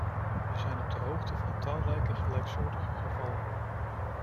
Wij zijn op de hoogte van talrijke gelijksoortige gevallen.